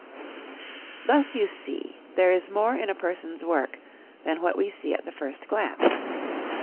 Thus you see there is more in a person's work than what we see at the first glance.